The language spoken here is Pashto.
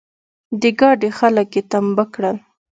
د ګاډي خلګ يې ټمبه کړل.